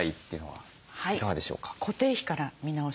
はい。